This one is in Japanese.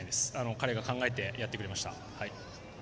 彼が考えて、やってくれました。